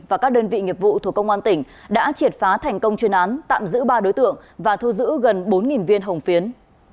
và các đơn vị nghiệp vụ thuộc công an tỉnh đã triệt phá thành công chuyên án tạm giữ ba đối tượng và thu giữ gần bốn viên hồng phiến